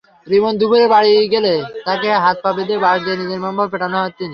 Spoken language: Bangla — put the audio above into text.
রিমন দুপুরে বাড়ি গেলে তাকে হাত-পা বেঁধে বাঁশ দিয়ে নির্মমভাবে পেটান তিনি।